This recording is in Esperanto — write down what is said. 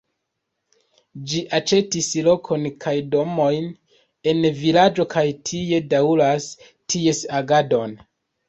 Ĝi aĉetis lokon kaj domojn en vilaĝo kaj tie daŭras ties agadon.